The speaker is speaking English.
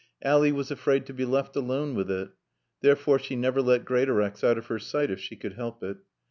Ally was afraid to be left alone with it. Therefore she never let Greatorex out of her sight if she could help it.